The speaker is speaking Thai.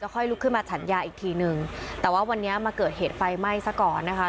ค่อยลุกขึ้นมาฉันยาอีกทีนึงแต่ว่าวันนี้มาเกิดเหตุไฟไหม้ซะก่อนนะคะ